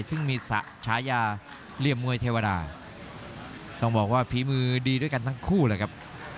ซึ่งมีฉายาเหลี่ยมมวยเทวดาต้องบอกว่าฝีมือดีด้วยกันทั้งคู่เลยครับ